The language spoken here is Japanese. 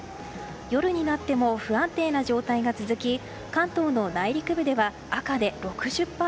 夜になっても不安定な状態が続き関東地方の内陸部では赤です。